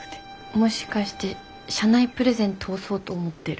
もしかして社内プレゼン通そうと思ってる？